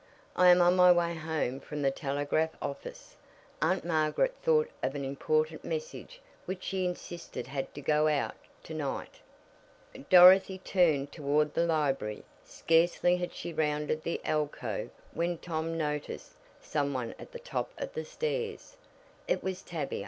I am on my way home from the telegraph office. Aunt Margaret thought of an important message which she insisted had to go out to night." Dorothy turned toward the library. Scarcely had she rounded the alcove when Tom noticed some one at the top of the stairs. It was Tavia.